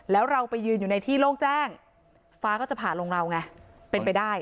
แล้วเราไปยืนอยู่ในที่โล่งแจ้งฟ้าก็จะผ่าลงเราไงเป็นไปได้